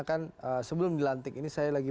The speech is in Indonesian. kan sebelum dilantik ini saya lagi